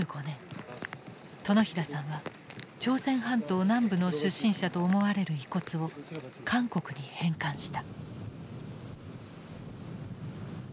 殿平さんは朝鮮半島南部の出身者と思われる遺骨を韓国に返還した。